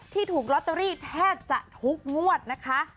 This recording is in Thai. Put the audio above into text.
ถูกลอตเตอรี่แทบจะทุกงวดนะคะ